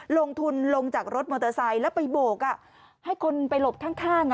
ลงทุนลงจากรถมอเตอร์ไซค์แล้วไปโบกให้คนไปหลบข้าง